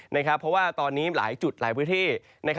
เพราะว่าตอนนี้หลายจุดหลายพื้นที่